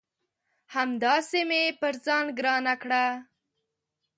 همداسي مې پر ځان ګرانه کړه